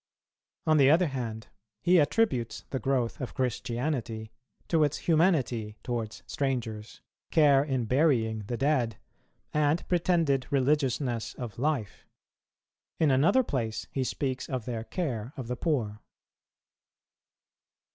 On the other hand, he attributes the growth of Christianity to its humanity towards strangers, care in burying the dead, and pretended religiousness of life. In another place he speaks of their care of the poor.